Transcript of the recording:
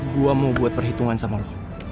gua mau buat perhitungan sama lo